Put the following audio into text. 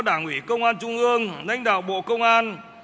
đảng ủy công an trung ương lãnh đạo bộ công an